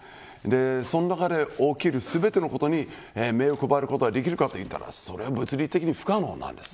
その中で起きる全てのことに目を配ることができるかといったら物理的に不可能なんです。